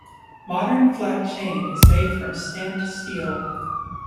Modern flat chain is made from stamped steel.